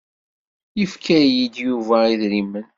Yefka-yi-d Yuba idrimen.